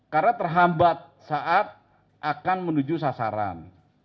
karena terhambat saat akan menuju sasaran